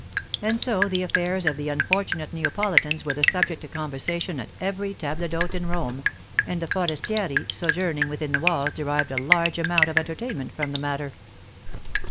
And so the affairs of the unfortunate Neapolitans were the subject of conversation at every table d'hôte in Rome; and the forestieri sojourning within the walls derived a large amount of entertainment from the matter.